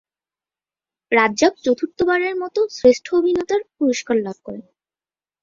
রাজ্জাক চতুর্থবারের মত শ্রেষ্ঠ অভিনেতার পুরস্কার লাভ করেন।